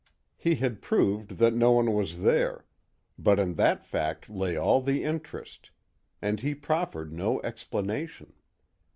He had proved that no one was there, but in that fact lay all the interest; and he proffered no explanation.